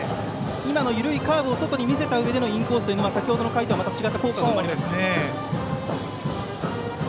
今の緩いカーブを外に見せたうえでのインコースは、先程の回とはまた違った効果がありますね。